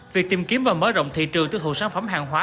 việc tìm kiếm và mở rộng thị trường tiêu thụ sản phẩm hàng hóa